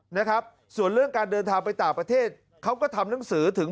นะครับส่วนเรื่องการเดินทางไปต่างประเทศเขาก็ทำหนังสือถึง